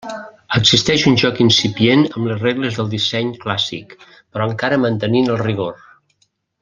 Existeix un joc incipient amb les regles del disseny clàssic, però encara mantenint el rigor.